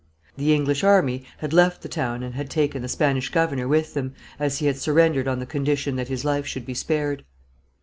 The English army had left the town and had taken the Spanish governor with them, as he had surrendered on the condition that his life should be spared.